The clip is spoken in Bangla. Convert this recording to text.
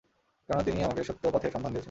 কেননা তিনি আমাকে সত্য পথের সন্ধান দিয়েছেন।